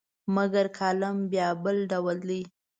مګر کالم بیا بل ډول دی.